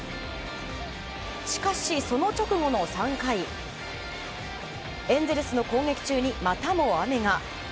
しかし、その直後の３回エンゼルスの攻撃中にまたも雨が。